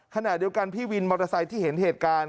ขณะเดียวกันพี่วินมอเตอร์ไซค์ที่เห็นเหตุการณ์